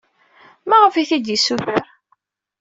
Maɣef ay t-id-yessuter?